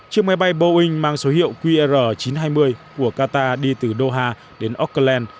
chiếc máy bay boeing mang số hiệu qr chín trăm hai mươi của qatar đi từ doha đến okclen